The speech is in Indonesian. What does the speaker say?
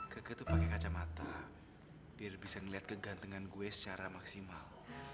keke itu pakai kacamata biar bisa ngeliat kegantengan gue secara maksimal